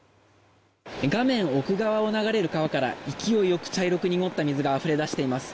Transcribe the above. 画面奥側を流れる川から勢いよく茶色く濁った水があふれ出しています。